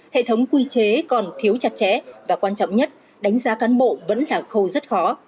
hệ thống quy chế còn thiếu chặt chẽ và quan trọng nhất đánh giá cán bộ vẫn là khâu rất khó